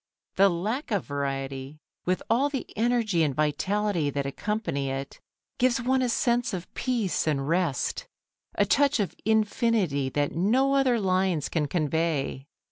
The lack of variety, with all the energy and vitality that accompany it, gives one a sense of peace and rest, a touch of infinity that no other lines can convey.